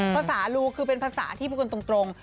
ภาษารูคือเป็นภาษาที่พูดกันตรง